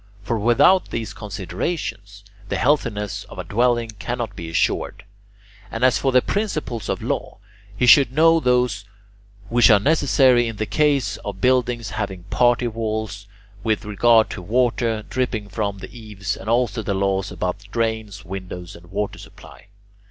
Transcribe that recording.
For without these considerations, the healthiness of a dwelling cannot be assured. And as for principles of law, he should know those which are necessary in the case of buildings having party walls, with regard to water dripping from the eaves, and also the laws about drains, windows, and water supply.